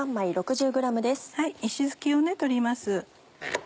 石突きを取ります。